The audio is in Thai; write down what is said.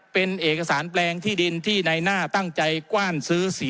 เป็นเอกสารแปลงที่ดินที่ในหน้าตั้งใจกว้านซื้อสี